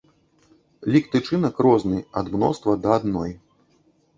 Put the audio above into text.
Лік тычынак розны, ад мноства да адной.